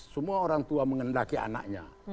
semua orang tua mengendaki anaknya